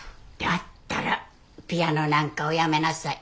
だったらピアノなんかおやめなさい。